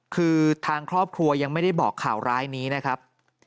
คือทางครอบครัวยังไม่ได้บอกข่าวร้ายนี้นะครับ